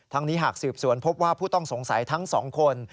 นี้หากสืบสวนพบว่าผู้ต้องสงสัยทั้ง๒คน